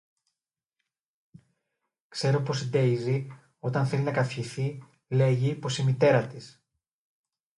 Ξέρω πως η Ντέιζη, όταν θέλει να καυχηθεί, λέγει πως η μητέρα της.